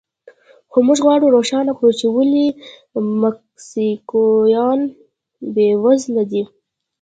خو موږ غواړو روښانه کړو چې ولې مکسیکویان بېوزله دي.